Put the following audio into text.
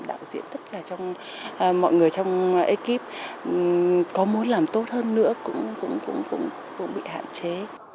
đạo diễn tất cả mọi người trong ekip có muốn làm tốt hơn nữa cũng bị hạn chế